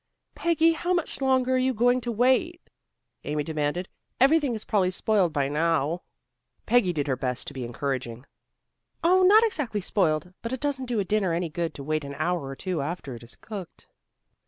"Peggy, how much longer are you going to wait?" Amy demanded. "Everything is probably spoiled by now." Peggy did her best to be encouraging. "Oh, not exactly spoiled. But it doesn't do a dinner any good to wait an hour or two after it is cooked."